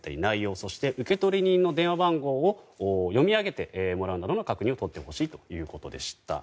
そして、受取人の電話番号を読み上げてもらうなどの確認を取ってほしいということでした。